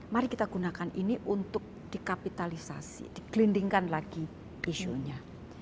mari kita gunakan ini untuk dikapitalisasi dikelindingkan lagi isunya